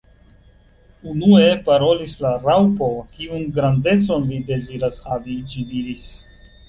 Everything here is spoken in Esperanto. Unue parolis la Raŭpo. "Kiun grandecon vi deziras havi?" ĝi diris.